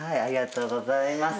ありがとうございます。